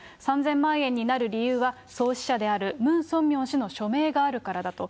３０００万円になる理由は、創始者であるムン・ソンミョン氏の署名があるからだと。